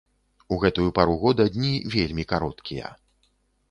У гэтую пару года дні вельмі кароткія.